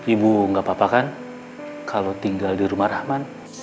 ibu nggak apa apa kan kalau tinggal di rumah rahman